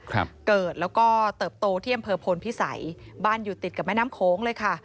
เกิดแล้วก็เติบโตที่อำเภอพลพิสัยบ้านอยู่ติดกับแม่น้ำโขงเลยค่ะ